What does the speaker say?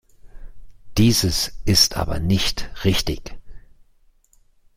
Dieses ist aber nicht richtig.